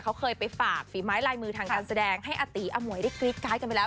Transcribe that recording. เขาเคยไปฝากฝีไม้ลายมือทางการแสดงให้อาตีอมวยได้กรี๊ดการ์ดกันไปแล้ว